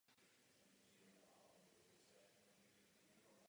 Tato doba skutečně nastala.